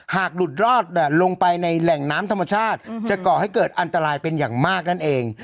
หากหลุดรอดลงไปในแหล่งน้ำธรรมชาติจะก่อให้เกิดอันตรายเป็นอย่างมากนั่นเอง